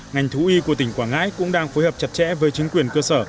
ngành thú y của tỉnh quảng ngãi cũng đang phối hợp chặt chẽ với chính quyền cơ sở